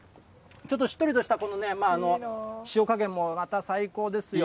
ちょっとしっとりとしたこのね、塩加減もまた最高ですよ。